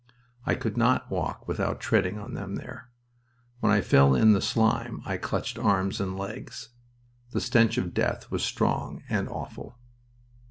I could not walk without treading on them there. When I fell in the slime I clutched arms and legs. The stench of death was strong and awful.